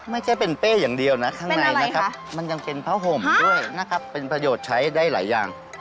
ไม่ใช่เป็นเป้อย่างเดียวนะยังเป็นผ้าห่มด้วยเป็นประโยชน์ใช้ได้หลายอย่างครับ